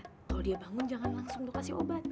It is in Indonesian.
kalau dia bangun jangan langsung lu kasih obat